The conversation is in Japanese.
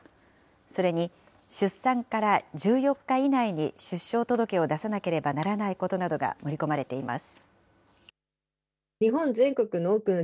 それに出産から１４日以内に出生届を出さなければならないことなどが盛り込まれています。